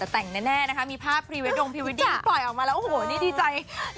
แต่งแน่นะคะมีภาพพรีเวดดงพรีเวดดิ้งปล่อยออกมาแล้วโอ้โหนี่ดีใจ